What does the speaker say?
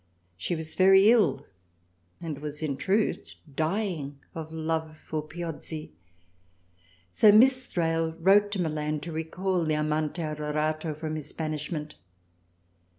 She was very ill and was in truth dying of love for Piozzi, so Miss Thrale wrote to Milan to recall the Amante Adorato from his banishment.